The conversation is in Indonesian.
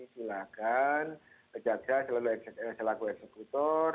silakan berjaga selalu selaku eksekutor